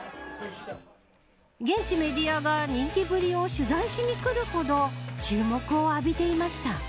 現地メディアが人気ぶりを取材しに来るほど注目を浴びていました。